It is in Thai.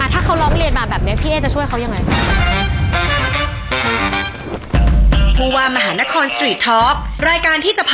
ถ้าเขาร้องเรียนมาแบบนี้พี่เอ๊จะช่วยเขายังไง